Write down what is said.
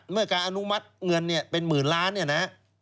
เมื่อการอนุมัติเงินเป็นหมื่นล้าน